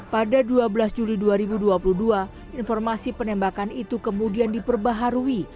pada dua belas juli dua ribu dua puluh dua informasi penembakan itu kemudian diperbaharui